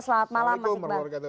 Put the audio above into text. selamat malam mas iqbal